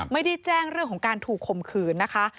ไม่ได้แจ้งเรื่องของการถูกข่มขืนนะคะ